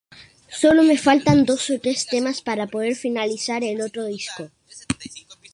Solo me faltan dos o tres temas para poder finalizar el otro disco.